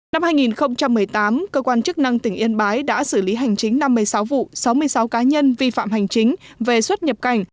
năm hai nghìn một mươi tám cơ quan chức năng tỉnh yên bái đã xử lý hành chính năm mươi sáu vụ sáu mươi sáu cá nhân vi phạm hành chính về xuất nhập cảnh